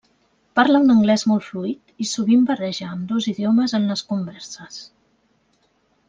Parla un anglès molt fluid i sovint barreja ambdós idiomes en les converses.